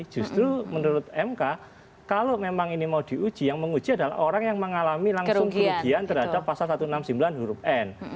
justru menurut mk kalau memang ini mau diuji yang menguji adalah orang yang mengalami langsung kerugian terhadap pasal satu ratus enam puluh sembilan huruf n